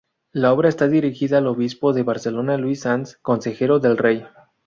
La obra está dirigida al obispo de Barcelona Luis Sans, consejero del Rey.